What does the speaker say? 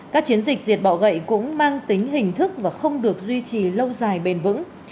các chiến dịch diệt bọ gậy cũng mang tính hình thức và không được duy trì lâu dài bền vững